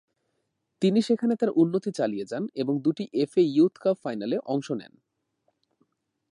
তিনি সেখানে তার উন্নতি চালিয়ে যান এবং দুটি এফএ ইয়ুথ কাপ ফাইনালে অংশ নেন।